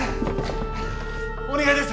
お願いです！